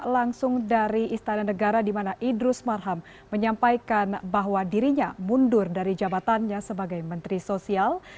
langsung dari istana negara di mana idrus marham menyampaikan bahwa dirinya mundur dari jabatannya sebagai menteri sosial